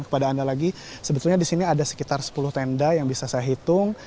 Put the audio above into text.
kepada anda lagi sebetulnya di sini ada sekitar sepuluh tenda yang bisa saya hitung